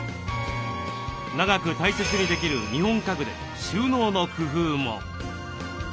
長く大切にできる日本家具で収納の工夫も。